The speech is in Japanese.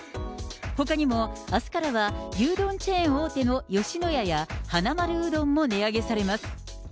ほかにもあすからは、牛丼チェーン大手の吉野家やはなまるうどんも値上げされます。